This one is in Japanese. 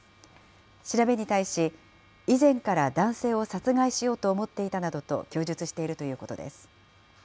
調べに対し、以前から男性を殺害しようと思っていたなどと供述しているということです。